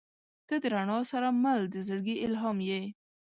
• ته د رڼا سره مل د زړګي الهام یې.